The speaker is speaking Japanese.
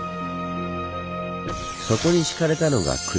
そこに敷かれたのが車石。